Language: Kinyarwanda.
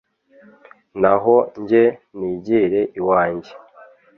naho jye nigire iwanjye